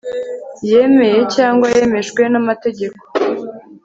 yemeye cyangwa yemejwe n amategeko